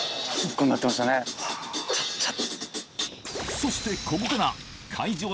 そしてここから